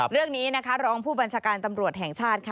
เรื่องนี้นะคะรองผู้บัญชาการตำรวจแห่งชาติค่ะ